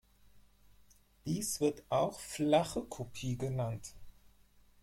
Dies wird auch "flache Kopie" genannt.